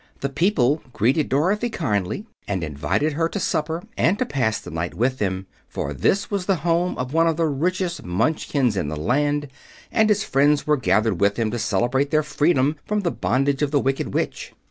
The people greeted Dorothy kindly, and invited her to supper and to pass the night with them; for this was the home of one of the richest Munchkins in the land, and his friends were gathered with him to celebrate their freedom from the bondage of the Wicked Witch.